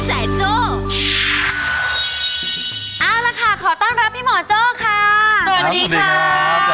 เอาละค่ะขอต้อนรับพี่หมอโจ๊กค่ะ